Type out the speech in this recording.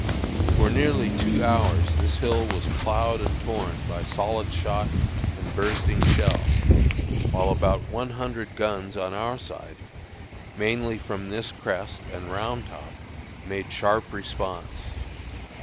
For nearly two hours this hill was ploughed and torn by solid shot and bursting shell, while about one hundred guns on our side, mainly from this crest and Round Top, made sharp response.